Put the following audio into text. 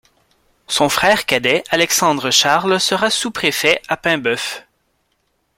Son frère cadet Alexandre-Charles sera sous-préfet à Paimbœuf.